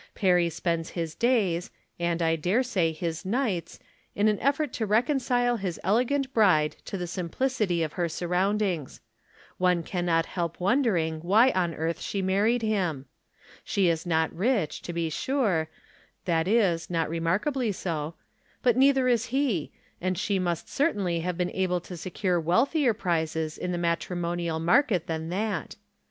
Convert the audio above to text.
Perry spends his days, and I dare say his nights, in an effort to reconcile his elegant bride to the simplicity of her surroundings. One can not help wondering 108 From Different Standpoints. why on earth she married him. She is not rich, to be sure — that is, not remarkably so — but nei ther is he, and she must certainly have been able to secure wealthier prizes in the matrimonial mar ket than that.